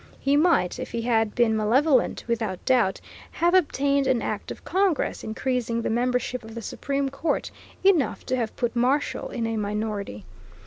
He might, if he had been malevolent, without doubt, have obtained an act of Congress increasing the membership of the Supreme Court enough to have put Marshall in a minority.